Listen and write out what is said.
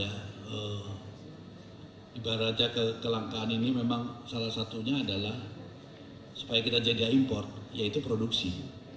ya ibaratnya kelangkaan ini memang salah satunya adalah supaya kita jadi import yaitu produksi